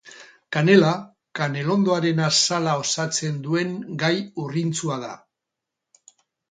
Kanela kanelondoaren azala osatzen duen gai urrintsua da